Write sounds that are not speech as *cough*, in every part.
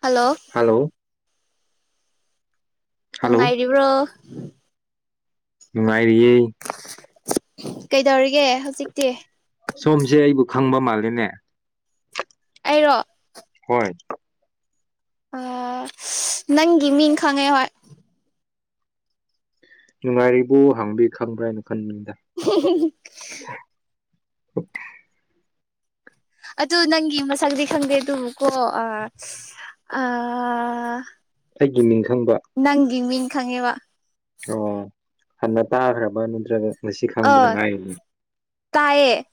Hello hello hello ꯅꯨꯡꯉꯥꯏꯔꯤꯕ꯭ꯔꯣ ꯅꯨꯡꯉꯥꯏꯔꯤꯌꯦ ꯀꯩꯗꯧꯔꯤꯒꯦ ꯍꯧꯖꯤꯛꯇꯤ ꯁꯣꯝꯁꯦ ꯑꯩꯕꯨ ꯈꯪꯕ ꯃꯥꯜꯂꯤꯅꯦ ꯑꯩꯔꯣ ꯍꯣꯏ ꯅꯪꯒꯤ ꯃꯤ ꯈꯪꯉꯦ ꯍꯣꯏ ꯅꯨꯡꯉꯥꯏꯔꯤꯕꯣ ꯍꯪꯕꯤ ꯈꯪꯕ꯭ꯔꯥ ꯍꯥꯏꯅ ꯈꯟꯕꯗ *unintelligible* *unintelligible* ꯑꯗꯨ ꯅꯪꯒꯤ ꯃꯁꯛꯗꯤ ꯈꯪꯗꯦ ꯑꯗꯨ ꯀꯣ ꯑ *unintelligible* ꯑꯩꯒꯤ ꯃꯤꯡ ꯈꯪꯕ ꯅꯪꯒꯤ ꯃꯤꯟ ꯈꯪꯉꯦꯕ ꯑꯣ ꯍꯟꯅ ꯇꯥꯈ꯭ꯔꯕ ꯅꯠꯇ꯭ꯔꯒ ꯉꯁꯤ ꯈꯪꯕꯗ ꯑꯥ ꯉꯥꯏꯔꯤꯕꯅꯤ ꯇꯥꯏꯌꯦ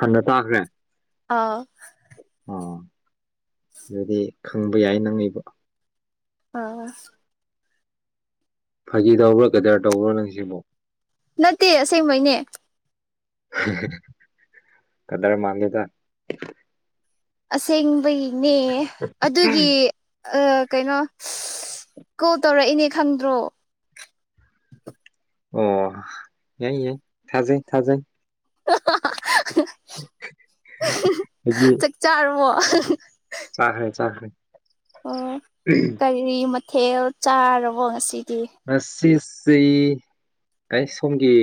ꯍꯥꯟꯅ ꯇꯥꯈ꯭ꯔꯦ ꯑꯥ ꯑꯣ ꯑꯗꯨꯗꯤ ꯈꯪꯕ ꯌꯥꯏ ꯅꯪꯉꯕ ꯑꯣ ꯐꯥꯒꯤ ꯇꯧꯕ꯭ꯔꯥ ꯀꯩꯗꯔ ꯇꯧꯕ꯭ꯔꯣ ꯅꯪ ꯁꯤꯕꯨ ꯅꯠꯇꯦ. ꯑꯁꯦꯡꯕꯩꯅꯦ ꯀꯗꯥꯔ ꯃꯜꯂꯦꯗꯥ ꯑꯁꯦꯡꯕꯒꯤꯅꯦ ꯑꯗꯨꯒꯤ ꯀꯩꯅꯣ ꯀꯣꯜ ꯇꯧꯔꯛꯏꯅꯦ ꯈꯪꯗ꯭ꯔꯣ ꯑꯣ ꯑꯦ ꯌꯥꯏ ꯊꯖꯩ ꯊꯖꯩ ꯆꯥꯛ ꯆꯥꯔꯕꯣ ꯆꯥꯈꯔꯦ ꯆꯥꯈꯔꯦ ꯑꯣ ꯀꯔꯤ ꯃꯊꯦꯜ ꯆꯥꯔꯕꯣ ꯉꯁꯤꯗꯤ *unintelligible* ꯁꯨꯝꯒꯤ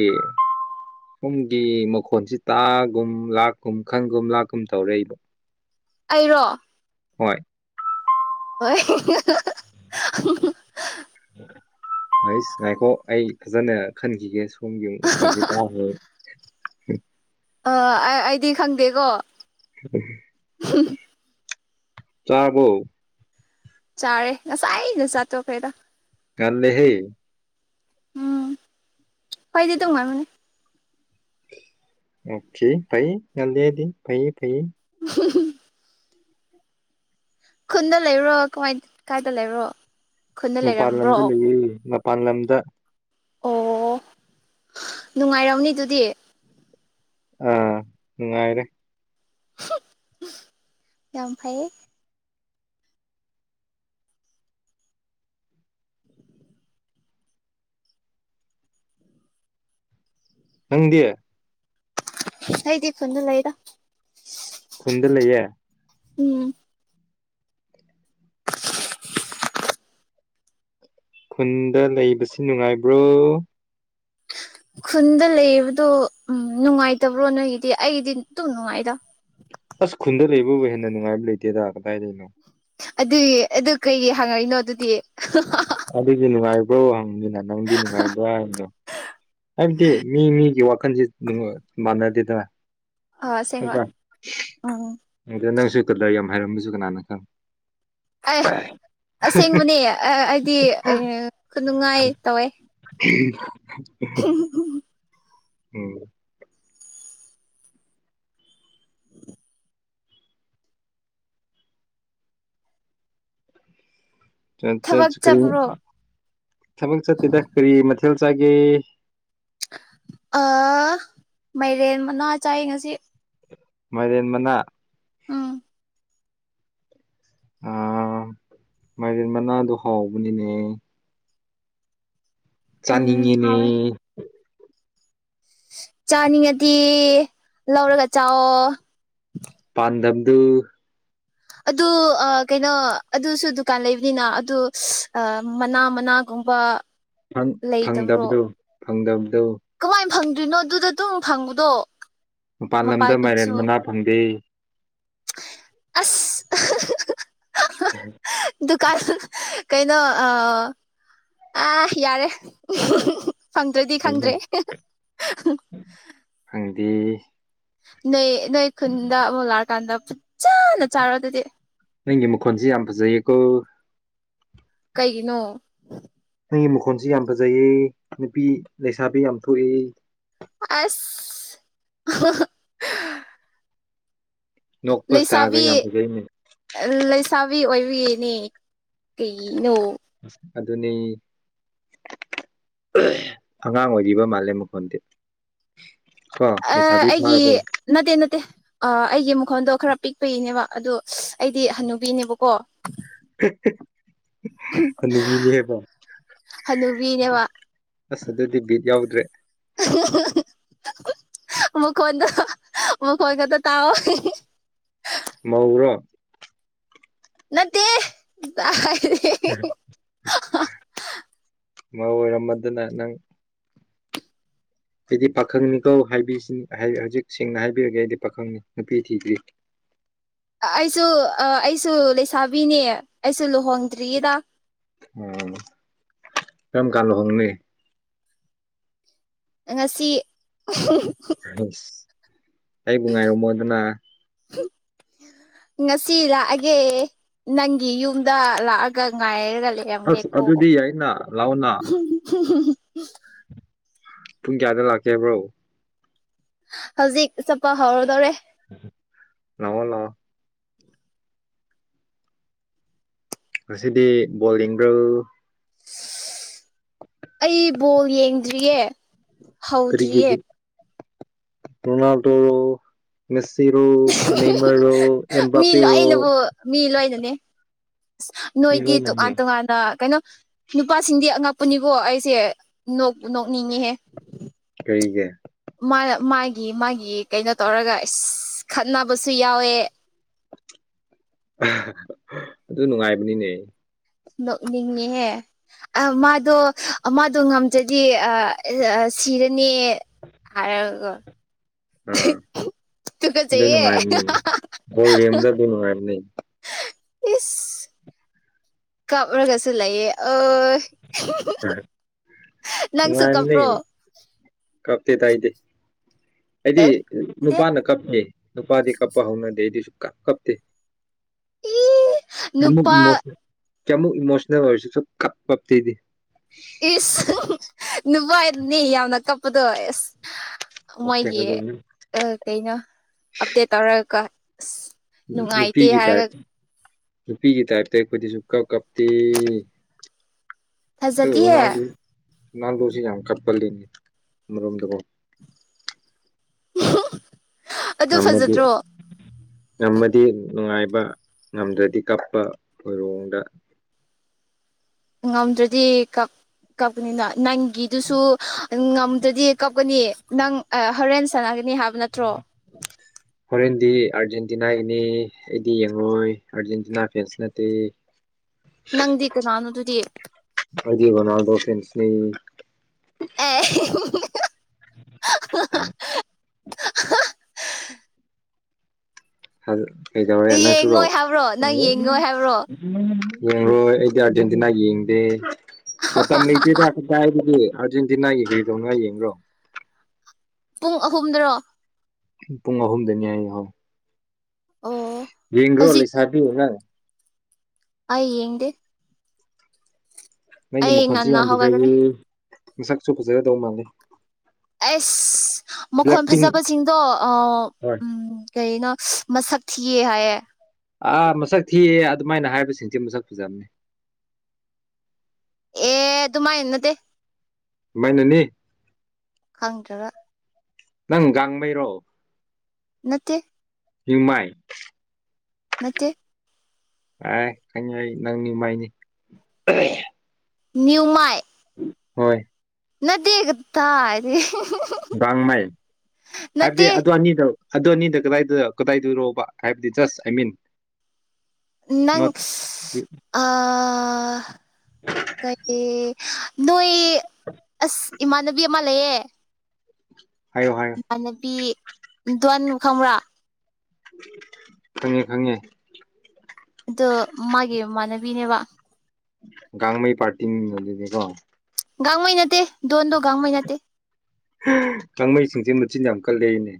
ꯃꯈꯣꯟꯁꯤ ꯇꯥꯒꯨꯝ ꯂꯥꯛꯀꯨꯝ ꯈꯪꯒꯨꯝ ꯂꯥꯛꯀꯨꯝ ꯇꯧꯔꯛꯏꯕꯣ ꯑꯩꯔꯣ ꯍꯣꯏ *unintelligible* *unintelligible* ꯍꯁ ꯉꯥꯏꯈꯣ ꯑꯩ ꯐꯖꯅ ꯈꯟꯈꯤꯒꯦ ꯁꯣꯝꯒꯤ ꯑꯃꯨꯛ ꯃꯈꯣꯟꯁꯦ ꯇꯥꯈ꯭ꯔꯦ ꯑ ꯑꯩꯗꯤ ꯈꯪꯗꯦꯀꯣ ꯆꯥꯔꯕꯣ ꯆꯥꯔꯦ ꯉꯁꯥꯏꯅ ꯆꯇꯣꯈꯔ꯭ꯦꯗꯥ ꯉꯟꯂꯦꯍꯦ *unintelligible* *unintelligible* *unintelligible* ꯈꯨꯟꯗ ꯂꯩꯔꯣ ꯀꯃꯥꯏ ꯀꯥꯏꯗ ꯂꯩꯔꯣ ꯃꯄꯥꯟ ꯂꯝꯗ ꯂꯩꯌꯦ ꯃꯄꯥꯟ ꯂꯝꯗ ꯑꯣ ꯅꯨꯡꯉꯥꯏꯔꯝꯅꯤ ꯑꯗꯨꯗꯤ ꯎꯝ ꯅꯨꯡꯉꯥꯏꯔꯦ ꯌꯥꯝ ꯐꯩꯌꯦ ꯅꯪꯗꯤ ꯑꯩꯗꯤ ꯈꯨꯟꯗ ꯂꯩꯗ ꯈꯨꯟꯗ ꯂꯩꯌꯦ ꯎꯝ ꯈꯨꯟꯗ ꯂꯩꯕꯁꯤ ꯅꯨꯡꯉꯥꯏꯕ꯭ꯔꯣ ꯈꯨꯟꯗ ꯂꯩꯌꯦꯕꯗꯣ ꯎꯝ ꯅꯨꯡꯉꯥꯏꯇꯕ꯭ꯔꯣ ꯅꯣꯏꯒꯤꯗꯤ ꯑꯩꯒꯤꯗꯤ ꯑꯗꯨꯝ ꯅꯨꯡꯉꯥꯏꯗ ꯑꯁ ꯈꯨꯟꯗ ꯂꯩꯕꯕꯨ ꯍꯦꯟꯅ ꯅꯨꯡꯉꯥꯏꯕ ꯂꯩꯇꯦꯗ ꯀꯗꯥꯏꯗꯅꯣ ꯑꯗꯨꯏ ꯑꯗꯨ ꯀꯩ ꯍꯪꯉꯛꯏꯅꯣ ꯑꯗꯨꯗꯤ *unintelligible* ꯑꯗꯨꯗꯤ ꯅꯨꯡꯉꯥꯏꯕ꯭ꯔꯣ ꯍꯪꯕꯅꯤꯅ ꯅꯪꯗꯤ ꯅꯨꯡꯉꯥꯏꯕ꯭ꯔꯥ ꯍꯥꯏꯕꯗꯣ ꯍꯥꯏꯕꯗꯤ ꯃꯤ ꯃꯤꯒꯤ ꯋꯥꯈꯜꯁꯤ ꯑꯗꯨꯝ ꯃꯥꯟꯅꯗꯦꯗꯅ ꯑꯥ ꯁꯦꯡꯕ ꯎꯝ ꯑꯗꯣ ꯅꯪꯁꯨ ꯀꯗꯔ ꯌꯥꯝ ꯍꯩꯔꯝꯕꯁꯨ ꯀꯅꯥꯅ ꯈꯪꯕ ꯑꯦ ꯑꯁꯦꯡꯕꯅꯦ ꯑꯩꯗꯤ ꯈꯨꯅꯨꯡꯉꯥꯏ ꯇꯧꯋꯦ *unintelligible* ꯎ *unintelligible* ꯎꯝ ꯆꯠ ꯊꯕꯛ ꯀꯔꯤ ꯆꯠꯄ꯭ꯔꯣ ꯊꯕꯛ ꯆꯠꯇꯦꯗ ꯀꯔꯤ ꯃꯊꯦꯜ ꯆꯥꯒꯦ ꯑ ꯃꯥꯏꯔꯦꯟ ꯃꯅꯥ ꯆꯥꯏ ꯉꯁꯤ ꯃꯥꯏꯔꯦꯟ ꯃꯅꯥ ꯎꯝ ꯑ ꯃꯥꯏꯔꯦꯟ ꯃꯅꯥꯗꯣ ꯍꯥꯎꯕꯅꯤꯅꯦ ꯎꯝ ꯆꯥꯅꯤꯡꯉꯤꯅꯦ ꯍꯥꯎꯋꯦ ꯆꯥꯅꯤꯡꯉꯗꯤ ꯂꯧꯔꯒ ꯆꯥꯎꯑꯣ ꯄꯥꯟꯗꯝꯗꯨ ꯑꯗꯨ ꯀꯩꯅꯣ ꯑꯗꯨꯁꯨ ꯗꯨꯀꯥꯟ ꯂꯩꯕꯅꯤꯅ ꯑꯗꯨ ꯃꯅꯥ ꯃꯅꯥ ꯑꯃꯝꯕ ꯐꯪꯗꯕꯗꯨ ꯐꯪꯗꯕꯗꯨ ꯀꯃꯥꯏꯅ ꯐꯪꯗ꯭ꯔꯥꯅꯣ ꯑꯗꯨꯗ ꯑꯗꯨꯝ ꯐꯪꯕꯗꯣ ꯃꯄꯥꯟ ꯂꯝꯗ ꯃꯥꯏꯔꯦꯟ ꯃꯄꯥꯥꯟꯗꯨꯁꯨ ꯃꯅꯥ ꯐꯪꯗꯦ ꯑꯁ *unintelligible* ꯎ ꯗꯨꯀꯥꯟ ꯀꯩꯅꯣ ꯑꯥ ꯑꯥ ꯌꯥꯔꯦ ꯐꯪꯗ꯭ꯔꯗꯤ ꯀꯩꯅꯣ ꯈꯪꯗ꯭ꯔꯦ ꯐꯪꯗꯦ ꯅꯣꯏ ꯅꯣꯏ ꯈꯨꯟꯗ ꯑꯃꯨꯛ ꯂꯥꯛꯑꯀꯥꯟꯗ ꯐꯖꯅ ꯆꯥꯔꯣ ꯑꯗꯨꯗꯤ ꯅꯪꯒꯤ ꯃꯈꯣꯟꯁꯤ ꯌꯥꯝ ꯐꯖꯩꯌꯦꯀꯣ ꯀꯩꯒꯤꯅꯣ ꯅꯪꯒꯤ ꯃꯈꯣꯟꯁꯤ ꯌꯥꯝ ꯐꯖꯩꯌꯦ ꯅꯨꯄꯤ ꯂꯩꯁꯥꯕꯤ ꯌꯥꯝ ꯊꯣꯛꯏ ꯑꯁ *unintelligible* ꯅꯣꯛꯄ ꯏꯁꯇꯥꯏꯜꯒ ꯂꯩꯁꯥꯕꯤ ꯌꯥꯝ ꯐꯖꯩꯅꯦ ꯂꯩꯁꯥꯕꯤ ꯑꯣꯏꯕꯤꯅꯦ ꯀꯩꯅꯣ ꯑꯗꯨꯅꯤ ꯑꯉꯥꯡ ꯑꯣꯏꯔꯤꯕ ꯃꯥꯜꯂꯦ ꯃꯈꯣꯟꯁꯦ ꯑ ꯑꯩꯒꯤ ꯐꯥꯔꯕꯣ ꯅꯠꯇꯦ ꯅꯠꯇꯦ ꯑꯥ ꯑꯩꯒꯤ ꯃꯈꯣꯟꯗꯣ ꯈꯔ ꯄꯤꯛꯄꯒꯤꯅꯦꯕ ꯑꯗꯣ ꯑꯩꯗꯤ ꯍꯟꯅꯨꯕꯤꯅꯦꯕꯀꯣ ꯍꯟꯅꯨꯕꯤꯅꯦꯕ ꯍꯅꯨꯕꯤꯅꯦꯕ ꯑꯁ ꯑꯗꯨꯗꯤ ꯕꯤꯠ ꯌꯥꯎꯗ꯭ꯔꯦ *unintelligible* ꯃꯈꯣꯏ ꯃꯈꯈꯣꯏꯒꯗ ꯇꯥꯎ ꯃꯧꯔꯣ ꯅꯠꯇꯦ ꯀꯥꯏꯗꯩ ꯑꯣꯏꯔꯝꯃꯗꯨꯅ ꯅꯪ ꯑꯩꯗꯤ ꯄꯥꯈꯪꯅꯤꯀꯣ ꯍꯥꯏ ꯍꯧꯖꯤꯛ ꯁꯦꯡꯅ ꯍꯥꯏꯕꯤꯔꯒꯦ ꯑꯩꯗꯤ ꯄꯥꯈꯪꯅꯤ ꯅꯨꯄꯤ ꯊꯤꯗ꯭ꯔꯤ ꯑꯩꯁꯨ ꯑꯩꯁꯨ ꯂꯩꯁꯥꯕꯤꯅꯦ ꯑꯩꯁꯨ ꯂꯨꯍꯣꯡꯗ꯭ꯔꯤꯌꯦꯗ ꯎ ꯀꯝ ꯀꯥꯟ ꯍꯣꯡꯅꯤ ꯉꯁꯤ ꯑꯩꯕꯨ ꯉꯥꯏꯔꯝꯃꯣꯗꯅ ꯍ *unintelligible* ꯉꯁꯤ ꯂꯥꯛꯑꯒꯦ ꯅꯪꯒꯤ ꯌꯨꯝꯗ ꯂꯥꯛꯑꯒ ꯉꯥꯏꯔꯒ ꯂꯩ ꯑꯁ ꯑꯒꯦꯀꯣ ꯑꯗꯨꯗꯤ ꯌꯥꯏꯅ ꯂꯥꯛꯑꯣꯅ *unintelligible* ꯄꯨꯡ ꯀꯌꯥꯗ ꯂꯥꯛꯀꯦ ꯍꯥꯏꯕ꯭ꯔꯣ ꯍꯧꯖꯤꯛ ꯆꯠꯄ ꯍꯧꯔꯗꯧꯔꯦ ꯂꯥꯎ ꯂꯥꯎ ꯉꯁꯤꯗꯤ ꯕꯣꯜ ꯌꯦꯡꯕꯔꯣ ꯑꯩ ꯕꯣꯜ ꯌꯦꯡꯗ꯭ꯔꯤꯌꯦ ꯀꯔꯤ ꯀ ꯍꯧꯗ꯭ꯔꯤꯌꯦ ꯔꯣꯅꯥꯜꯗꯣ ꯃꯦꯁꯤꯔꯣ ꯅꯦꯃꯔ ꯔꯣ ꯃꯤ ꯑꯦꯕꯥꯄꯦꯔꯣ ꯂꯣꯏꯅꯕꯨ ꯃꯤ ꯂꯣꯏꯅꯅꯦ ꯑꯁ ꯃꯤ ꯅꯣꯏꯗꯤ ꯂꯣꯏꯅꯅꯦ ꯇꯣꯉꯥꯟ ꯇꯣꯉꯥꯟ ꯀꯩꯅꯣ ꯅꯨꯄꯥꯁꯤꯡꯗꯤ ꯑꯉꯛꯄꯅꯤꯀꯣ ꯑꯩꯁꯦ ꯅꯣꯛꯄꯨ ꯅꯣꯛꯅꯤꯡꯉꯤꯍꯦ ꯀꯩꯒꯦ ꯃꯥꯅ ꯃꯥꯒꯤ ꯃꯥꯒꯤ ꯀꯩꯅꯣ ꯇꯧꯔꯒ ꯈꯠꯅꯕꯁꯨ ꯌꯥꯎꯋꯦ ꯑꯗꯨ ꯅꯨꯡꯉꯥꯏꯕꯅꯤꯅꯦ ꯅꯣꯛꯅꯤꯡꯉꯍꯦ ꯑ ꯃꯥꯗꯣ ꯃꯥꯗꯣ ꯉꯝꯗꯔꯥꯗꯤ ꯁꯤꯔꯅꯦ ꯍꯥꯏꯔꯒ ꯑꯥ ꯇꯨꯀ ꯑꯗꯨ ꯆꯩꯌꯦ ꯅꯨꯡꯉꯥꯏꯕꯅꯤꯅꯦ ꯕꯣꯜ ꯌꯦꯡꯕꯗ ꯑꯗꯨ ꯅꯨꯡꯉꯥꯏꯕꯅꯤ ꯏꯁ ꯀꯥꯞꯔꯒꯁꯨ ꯂꯩꯌꯦ ꯑ ꯅꯪꯁꯨ ꯀꯥꯞꯄ꯭ꯔꯣ ꯀꯞꯇꯦꯗꯥ ꯑꯩꯗꯤ ꯑꯩꯗꯤ ꯑꯦ ꯗꯦ ꯅꯨꯄꯥꯅ ꯀꯞꯇꯦ ꯅꯨꯄꯥꯗꯤ ꯀꯞꯄ ꯍꯧꯅꯗꯦ ꯑꯩꯗꯤ ꯁꯨꯀꯞ ꯀꯞꯇꯦ ꯏ ꯅꯨꯄꯥ ꯀꯌꯥꯃꯨꯛ ꯀꯌꯥꯃꯨꯛ ꯏꯃꯣꯁꯅꯦꯜ ꯑꯣꯏꯔꯁꯨ ꯁꯨ ꯀꯞ ꯀꯞꯇꯦꯗꯤ ꯏꯁ ꯅꯨꯄꯥ ꯑꯣꯏꯔꯗꯨꯅꯦ ꯌꯥꯝꯅ ꯀꯞꯄꯗꯣ ꯑꯦꯁ ꯀꯞꯇꯦ ꯃꯣꯏꯒꯤ ꯀꯩꯗꯧꯅꯤ ꯀꯩꯅꯣ ꯑꯞꯗꯦꯠ ꯇꯧꯔꯒ ꯑꯁ ꯎꯝ ꯅꯨꯡꯉꯥꯏꯇꯦ ꯅꯨꯄꯤꯒꯤ ꯍꯥꯏꯔꯒ ꯇꯥꯏꯞꯇ ꯅꯨꯄꯤꯒꯤ ꯇꯥꯏꯞꯇ ꯑꯩꯈꯣꯏꯗꯤꯁꯨ ꯀꯞ ꯀꯞꯇꯤ ꯐꯖꯗꯦꯍꯦ ꯔꯣꯅꯥꯜ ꯅꯥꯜꯂꯨꯡꯗꯣꯁꯤ ꯌꯥꯝ ꯀꯞꯄꯜꯂꯤꯅꯤ ꯑꯃꯔꯣꯝꯗꯀꯣ ꯑꯗꯨ ꯐꯖꯗ꯭ꯔꯣ ꯅꯝꯕꯗꯤꯗꯤ *unintelligible* ꯗ ꯅꯨꯡꯉꯥꯏꯕ ꯉꯝꯗ꯭ꯔꯗꯤ ꯀꯞꯄ ꯎꯔꯣꯡꯗ *unintelligible* ꯉꯝꯗ꯭ꯔꯗꯤ ꯀꯞ ꯀꯞꯀꯅꯤꯅ ꯅꯪꯒꯤꯗꯨꯁꯨ ꯉꯝꯗ꯭ꯔꯗꯤ ꯀꯞꯀꯅꯤ ꯅꯪ ꯍꯣꯔꯦꯟ ꯁꯥꯟꯅꯒꯅꯤ ꯍꯥꯏꯕ ꯅꯠꯇ꯭ꯔꯣ *inaudible* ꯍꯣꯔꯦꯟꯗꯤ ꯑꯥꯔꯖꯦꯟꯇꯤꯅꯥꯒꯤꯅꯤ ꯑꯩꯗꯤ ꯌꯦꯡꯂꯡꯉꯣꯏ ꯑꯥꯔꯖꯦꯟꯇꯤꯅꯥ ꯐꯦꯟꯁ ꯅꯠꯇꯦ ꯅꯪꯗꯤ ꯀꯅꯥꯅꯣ ꯑꯗꯨꯗꯤ ꯑꯗꯨꯗꯤꯕꯅꯥꯗꯣ ꯐꯦꯟꯁꯅꯤ ꯑ ꯑ *unintelligible* ꯀꯩꯗꯧꯔꯦ ꯅ ꯁꯨꯔꯣ ꯌꯦꯡꯉꯣꯏ ꯍꯥꯏꯕ꯭ꯔꯣ ꯅꯪ ꯌꯦꯡꯉꯣꯏ ꯍꯥꯏꯕ꯭ꯔꯣ ꯌꯦꯡꯂꯣꯏ ꯑꯩꯗꯤ ꯑꯥꯔꯖꯦꯟꯇꯤꯅꯥ ꯌꯦꯡꯗꯦ ꯃꯇꯝ ꯂꯩꯇꯦꯗ ꯀꯗꯥꯏꯗꯒꯤ ꯑꯥꯔꯖꯦꯟꯇꯤꯅꯥꯒꯤ ꯀꯔꯤꯗꯧꯅꯤꯉꯥꯏ ꯌꯦꯡꯕ꯭ꯔꯣ ꯄꯨꯡ ꯑꯍꯨꯝꯗꯔꯣ ꯄꯨꯡ ꯑꯍꯨꯝꯗꯅꯤ ꯍꯥꯏꯌꯦ ꯍꯣꯏ ꯑꯣ ꯌꯦꯡꯒ꯭ꯔꯣꯟ ꯍꯧꯖꯤꯛ ꯂꯩ ꯁꯥꯕꯤ ꯅꯪ ꯑ ꯩꯌꯦꯡꯗꯦ ꯅꯪꯒꯤ ꯑꯩ ꯃꯈꯣꯟꯁꯦ ꯉꯟꯅ ꯌꯥꯝ ꯍꯧꯒꯠꯒꯅꯤ ꯐꯖꯩꯌꯦ ꯃꯁꯛꯁꯨ ꯐꯖꯒꯗꯧꯕ ꯃꯥꯜꯂꯦ ꯑꯩꯁ ꯕ꯭ꯂꯦꯛ ꯃꯈꯣꯟ ꯄꯤꯡ ꯐꯖꯕꯁꯤꯡꯗꯣ ꯑ ꯍꯣꯏ ꯎꯝ ꯀꯩꯅꯣ ꯃꯁꯛ ꯊꯤꯌꯦ ꯍꯥꯏꯌꯦ ꯑꯥ ꯃꯁꯛ ꯊꯤꯑꯦ ꯑꯗꯨꯃꯥꯏꯅ ꯍꯥꯏꯕꯁꯤꯡꯁꯦ ꯃꯁꯛ ꯐꯖꯕꯅꯦ ꯑꯦ ꯑꯗꯨꯃꯥꯏ ꯅꯠꯇꯦ ꯃꯥꯏꯅꯅꯤ ꯈꯪꯗ꯭ꯔꯒ ꯅꯪ ꯒꯥꯡꯃꯩꯔꯣ ꯅꯠꯇꯦ ꯇꯨꯏꯄꯥꯏ ꯅꯠꯇꯦ ꯑꯥꯢ ꯈꯪꯏ ꯑꯩ ꯅꯪ ꯅꯤꯡꯃꯥꯏꯅꯤ ꯅꯤꯌꯨꯃꯥꯢ ꯍꯣꯏ ꯅꯠꯇꯦ ꯀꯥꯗꯥꯏꯗꯩ ꯒꯥꯡꯃꯩ ꯍꯥꯏꯕꯗꯤ ꯑꯗꯨ ꯑꯅꯤꯗꯣ ꯑꯗꯣ ꯑꯅꯤꯗ ꯀꯗꯥꯏꯗ ꯀꯗꯥꯏꯗꯔꯣꯕ ꯍꯥꯏꯕꯗꯤ ꯖꯁ ꯑꯥꯏ ꯃꯤꯟ ꯅꯪ ꯅꯣꯠ ꯏꯁ ꯑꯩ ꯀꯩ ꯅꯣꯢ ꯑꯁ ꯏꯃꯥꯟꯅꯕꯤ ꯑꯃ ꯂꯩꯌꯦ ꯍꯥꯏꯌꯣ ꯍꯥꯏ ꯏꯃꯥꯟꯅꯄꯤ ꯗꯣꯟꯗꯨ ꯈꯪꯕ꯭ꯔꯥ ꯈꯪꯉꯦ ꯈꯪꯉꯦ ꯑꯗꯣ ꯃꯥꯒꯤ ꯃꯃꯥꯟꯅꯕꯤꯅꯦꯕ ꯒꯥꯡꯃꯩ ꯄꯔꯇꯤ ꯅꯤꯅꯦ ꯑꯗꯨꯗꯤ ꯀꯣ ꯒꯥꯡꯃꯩ ꯅꯠꯇꯦ ꯗꯣꯟꯗꯣ ꯒꯥꯡꯃꯩ ꯅꯠꯇꯦ ꯒꯥꯡꯃꯩꯁꯤꯡꯁꯦ ꯃꯆꯤꯟ ꯌꯥꯝ ꯀꯜꯂꯦꯅꯦ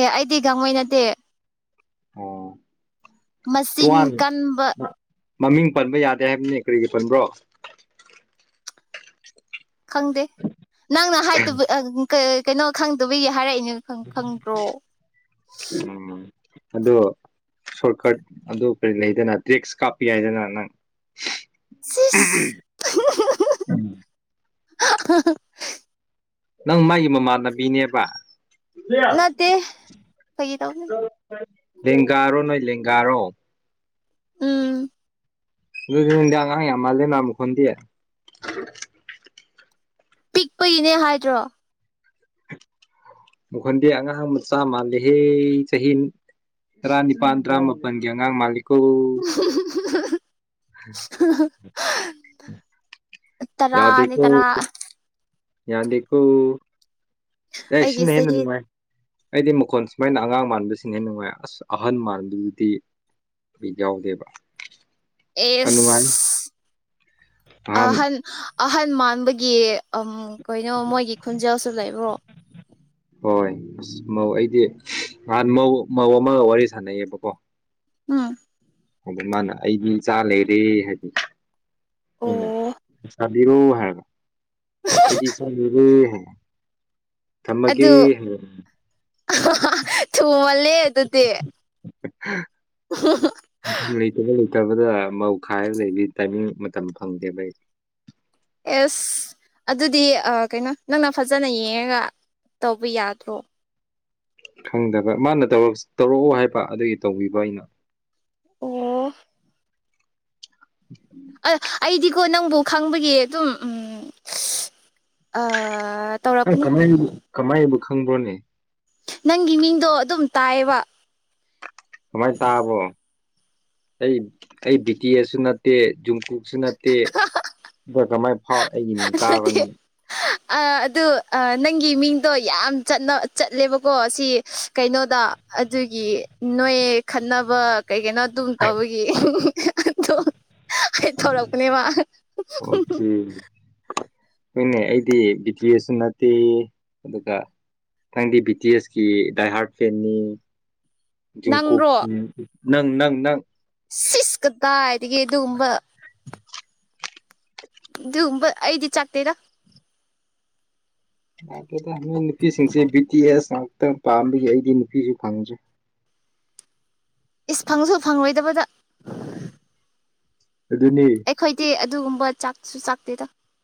ꯑꯦ ꯑꯩꯗꯤ ꯒꯥꯡꯃꯩ ꯅꯠꯇꯦ ꯑꯣ ꯃꯆꯤꯟ ꯇꯨꯋꯥꯟ ꯀꯟꯕ ꯃꯃꯤꯡ ꯄꯟꯕ ꯌꯥꯗꯦ ꯍꯥꯏꯕꯅꯤ ꯀꯔꯤꯒꯤ ꯄꯟꯕ꯭ꯔꯣ ꯈꯪꯗꯦ ꯅꯪꯅ ꯍꯥꯏꯗꯕ ꯀꯩꯅꯣ ꯈꯪꯗꯕꯒꯤ ꯍꯥꯏꯔꯛꯏꯅꯦ ꯈꯪꯗ꯭ꯔꯣ ꯎꯝ ꯑꯗꯣ ꯁꯣꯔꯠꯀꯠ ꯑꯗꯨ ꯀꯔꯤ ꯂꯩꯗꯅ ꯗꯔꯤꯛꯁ ꯀꯥꯞꯄ ꯌꯥꯏꯗꯅ ꯅꯪ ꯁꯤꯏꯁ *unintelligible* ꯅꯪ ꯃꯥꯒꯤ ꯃꯃꯥꯟꯅꯕꯤꯅꯦꯕ ꯅꯠꯇꯦ ꯐꯥꯒꯤ ꯇꯧꯕꯅꯤ ꯂꯦꯡꯒꯥꯔꯣ ꯅꯣꯏ ꯂꯦꯡꯒꯥꯔꯣ ꯎꯝ ꯅꯣꯏꯔꯣꯟꯗꯤ ꯑꯉꯥꯡ ꯌꯥꯝ ꯃꯥꯜꯂꯤꯅ ꯃꯈꯣꯟꯗꯤ ꯄꯤꯛꯄꯒꯤꯅꯦ ꯍꯥꯏꯗ꯭ꯔꯣ ꯃꯈꯣꯟꯗꯤ ꯑꯉꯥꯡ ꯃꯆꯥ ꯃꯥꯂꯤꯍꯦ ꯆꯍꯤ ꯇꯔꯥ ꯅꯤꯄꯥꯟ ꯇꯔꯥ ꯃꯥꯄꯟꯒꯤ ꯑꯉꯥꯡ ꯃꯥꯂꯤꯀꯣ *unintelligible* ꯇꯔꯥꯅꯤ ꯇꯔꯥ ꯌꯥꯗꯤꯀꯣ *unintelligible* ꯑꯩꯒꯤ ꯁꯤꯅ ꯍꯦꯟꯅ ꯆꯍꯤ ꯅꯨꯡꯉꯥꯏ ꯑꯩꯗꯤ ꯃꯈꯣꯟ ꯁꯨꯃꯥꯏꯅ ꯑꯉꯥꯡ ꯃꯥꯟꯕꯁꯤꯡꯅ ꯅꯨꯡꯉꯥꯏ ꯑꯁ ꯑꯍꯟ ꯃꯥꯟꯕꯗꯨꯗꯤ ꯕꯤꯠ ꯌꯥꯎꯗꯦꯕ ꯌꯥꯝ ꯅꯨꯡꯉꯥꯏ ꯑꯦꯁ ꯅꯍꯥꯟ ꯑꯍꯟ ꯑꯍꯟ ꯃꯥꯟꯕꯒꯤ ꯑꯝ ꯀꯩꯅꯣ ꯃꯣꯏꯒꯤ ꯈꯨꯟꯖꯦꯜꯁꯨ ꯂꯩꯕ꯭ꯔꯣ ꯍꯣꯏ ꯑꯁ ꯃꯧ ꯑꯩꯗꯤ ꯅꯍꯥꯟ ꯃꯧ ꯑꯃꯒ ꯋꯥꯔꯤ ꯁꯥꯟꯅꯩꯌꯦꯕꯀꯣ ꯎꯝ ꯑꯗ ꯃꯥꯅ ꯑꯩꯗꯤ ꯏꯆꯥ ꯂꯩꯔꯦ ꯍꯥꯏꯗꯤ ꯑꯣ ꯑꯩꯅ ꯂꯩꯆꯥꯕꯤꯔꯣ ꯍꯥꯏꯔꯒ ꯑꯩꯗꯤ ꯏꯆꯥ ꯂꯩꯔꯦ ꯍꯥꯏ ꯊꯝꯃꯒꯦ ꯑꯗꯨ *unintelligible* *unintelligible* ꯊꯨꯃꯜꯂꯦ ꯑꯗꯨꯗꯤ *unintelligible* *unintelligible* ꯂꯩꯇꯕ ꯂꯩꯇꯕꯗ ꯃꯧ ꯈꯥꯏꯔꯒ ꯂꯩꯕꯤ ꯇꯥꯏꯃꯤꯡ ꯃꯇꯝ ꯐꯪꯗꯦꯕ ꯑꯩ ꯑꯦꯁ ꯑꯗꯨꯗꯤ ꯀꯩꯅꯣ ꯅꯪꯅ ꯐꯖꯅ ꯌꯦꯡꯉꯒ ꯇꯧꯕ ꯌꯥꯗ꯭ꯔꯣ ꯈꯪꯗꯕ ꯃꯥꯅ ꯇꯧꯔꯛꯑꯣ ꯍꯥꯏꯕ ꯑꯗꯨꯒꯤ ꯇꯧꯕꯤꯕ ꯑꯩꯅ ꯑꯣ *inaudible* ꯑ ꯑꯩꯗꯤꯀꯣ ꯅꯪꯕꯨ ꯈꯪꯕꯒꯤ ꯑꯗꯨꯝ ꯎꯝ ꯑ ꯅꯪ ꯇꯧꯔꯛꯄꯅꯦ ꯀꯃꯥꯏ ꯀꯃꯥꯏꯕꯨ ꯈꯪꯕ꯭ꯔꯣꯅꯦ ꯅꯪꯒꯤ ꯃꯤꯡꯗꯣ ꯑꯗꯨꯝ ꯇꯥꯏꯌꯦꯕ ꯀꯃꯥꯏꯅ ꯇꯥꯕꯣ ꯑꯩ ꯑꯩ ꯕꯤꯇꯦꯁꯁꯨ ꯅꯠ ꯅꯠꯇꯦ ꯖꯨꯝꯀꯨꯣꯛꯁꯨ ꯅꯠꯇꯦ ꯑꯗ ꯀꯃꯥꯏ ꯐꯥꯎ ꯑꯩꯒꯤ ꯃꯤ ꯇꯥꯕ꯭ꯔ ꯅꯪ ꯑꯠꯑꯗꯨ ꯅꯪꯒꯤ ꯃꯤꯡꯗꯣ ꯌꯥꯝ ꯆꯠꯅ ꯆꯠꯂꯦꯕꯀꯣ ꯁꯤ ꯀꯩꯅꯣꯗ ꯑꯗꯨꯒꯤ ꯅꯣꯏ ꯈꯠꯅꯕ ꯀꯩ ꯀꯩꯅꯣ ꯑꯗꯨꯝ ꯇꯧꯕꯒꯤ *unintelligible* ꯑꯗꯨ ꯑꯩ ꯊꯧꯔꯛꯄꯅꯦ *unintelligible* ꯑꯣꯀꯦ ꯍꯣꯏꯅꯦ ꯑꯩꯗꯤ ꯕꯤꯇꯦꯁꯁꯨ ꯅꯠꯇꯦ ꯑꯗꯨꯒ ꯅꯪꯗꯤ ꯕꯤꯇꯤ ꯑꯦꯁꯀꯤ ꯗꯥꯏ ꯍꯥꯔꯠ ꯐꯦꯟꯅꯤ ꯖꯤꯡ ꯀꯣ ꯅꯪꯔꯣ ꯎꯝ ꯅꯪ ꯅꯪ ꯅꯪ ꯁꯤꯁ ꯀꯗꯥꯗꯒꯤ ꯑꯗꯨꯒꯨꯝꯕ ꯑꯗꯨꯒꯨꯝꯕ ꯑꯩꯗꯤ ꯆꯥꯛꯇꯦꯗꯥ *unintelligible* ꯅꯨꯄꯤꯁꯤꯡꯁꯦ ꯕꯤ ꯇꯤ ꯑꯦꯁ ꯉꯥꯛꯇꯪ ꯄꯥꯝꯕꯒꯤ ꯑꯩꯗꯤ ꯅꯨꯄꯤꯁꯨ ꯐꯪꯗ꯭ꯔꯦ ꯏꯁ ꯐꯪꯁꯨ ꯐꯪꯂꯣꯏꯗꯕꯗ ꯑꯗꯨꯅꯦ ꯑꯩꯈꯣꯏꯗꯤ ꯑꯗꯨꯒꯨꯝꯕ ꯆꯥꯛꯁꯨ ꯆꯥꯛꯇꯦ ꯗ